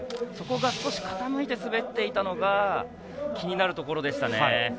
そこが少し傾いて滑っていたのが気になるところでしたね。